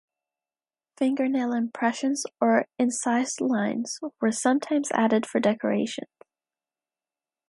Fingernail impressions or incised lines were sometimes added for decoration.